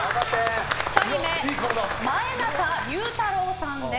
２人目、前中勇太朗さんです。